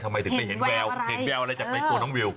ทำไมถึงไปเห็นแววเห็นแววอะไรจากในตัวน้องวิว